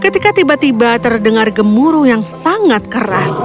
ketika tiba tiba terdengar gemuruh yang sangat keras